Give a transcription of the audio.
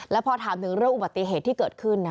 แล้วพอถามถึงเรื่องอุบัติเหตุที่เกิดขึ้น